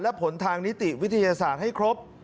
และผลทางนิติวิทยาศาสตร์ให้ครบ